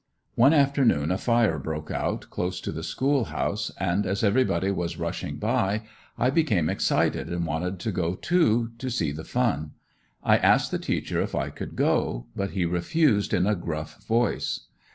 One afternoon a fire broke out close to the school house and as everybody was rushing by, I became excited and wanted to go too, to see the fun. I asked the teacher if I could go, but he refused in a gruff voice.